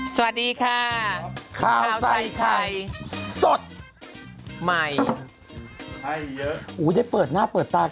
สวัสดีค่ะข้าวใส่ไข่สดใหม่ให้เยอะอุ้ยได้เปิดหน้าเปิดตา